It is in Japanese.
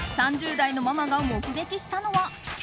３０代のママが目撃したのは。